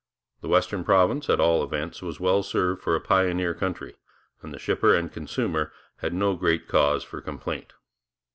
The western province, at all events, was well served for a pioneer country, and the shipper and consumer had no great cause for complaint.